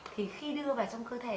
thì khi đưa vào trong cơ thể